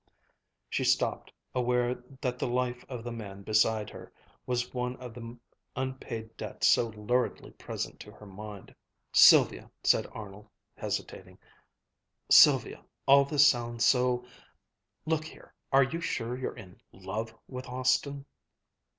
She stopped, aware that the life of the man beside her was one of the unpaid debts so luridly present to her mind. "Sylvia," said Arnold, hesitating, "Sylvia, all this sounds so look here, are you sure you're in love with Austin?"